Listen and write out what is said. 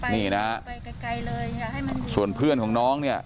นี่นะครับส่วนเพื่อนของน้องเนี่ย